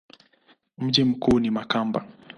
Mji mkuu ni Makamba.